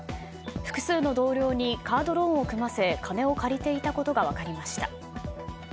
複数の同僚にカードローンを組ませ金を借りていたことが分かりました。